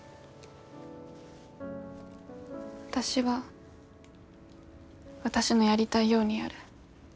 私は私のやりたいようにやる。